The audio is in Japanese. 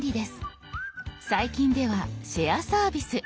最近では「シェアサービス」。